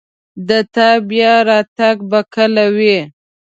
د تا بیا راتګ به کله وي